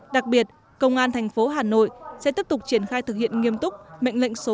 đặc biệt công an thành phố hà nội sẽ tiếp tục triển khai thực hiện nghiêm túc mệnh lệnh số